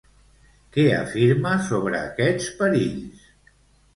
Què afirma sobre aquests perills?